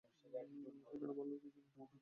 এখানে ভালোর কিছু নেই।